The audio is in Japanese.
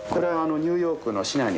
ニューヨーク市内の。